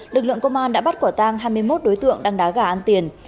lực lượng công an đã bắt quả tang hai mươi một đối tượng đang đá gà ăn tiền